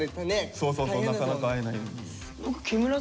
そうそうそうなかなか会えないのに。